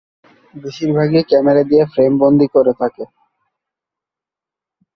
বেশিরভাগই ক্যামেরা দিয়ে ফ্রেম বন্দী করে থাকে।